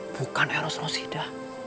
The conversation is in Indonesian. bukan eros rosida